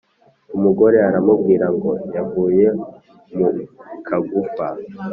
Umugore aramubwira ngo yavuye mu kagufa.